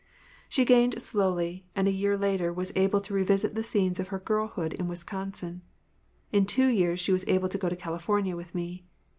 She gained slowly, and a year later was able to revisit the scenes of her girlhood in Wisconsin. In two years she was able to go to California with me.